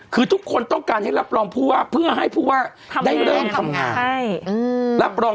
คือทุกคนต้องการให้รับรองเพื่อให้เพื่อว่าได้เริ่มทำงาน